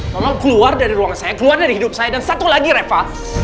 tolong keluar dari ruang saya keluar dari hidup saya dan satu lagi reva